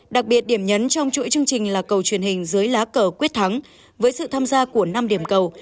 đặc biệt điểm nhấn trong chuỗi chương trình là cầu truyền hình dưới lá cờ quyết thắng với sự tham gia của năm điểm cầu